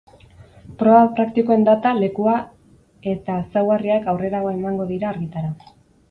Proba praktikoen data, lekua e eta ezaugarriak aurrerago emango dira argitara.